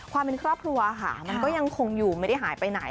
ความเป็นครอบครัวค่ะมันก็ยังคงอยู่ไม่ได้หายไปไหน